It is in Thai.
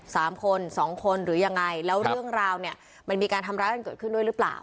สามคนสองคนหรือยังไงแล้วเรื่องราวเนี่ยมันมีการทำร้ายกันเกิดขึ้นด้วยหรือเปล่า